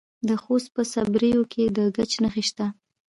د خوست په صبریو کې د ګچ نښې شته.